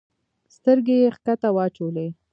سترګي یې کښته واچولې !